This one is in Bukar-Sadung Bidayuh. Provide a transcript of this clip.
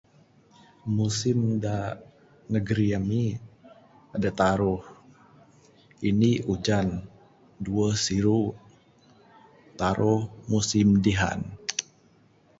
Musim da negeri ami adeh taruh. Indi ujan, duweh siru, taruh musim dihan.